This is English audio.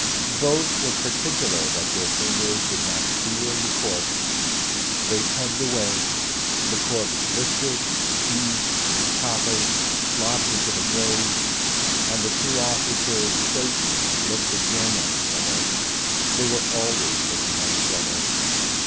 Both were particular that their fingers should not feel the corpse. They tugged away; the corpse lifted, heaved, toppled, flopped into the grave, and the two officers, straightening, looked again at each other they were always looking at each other.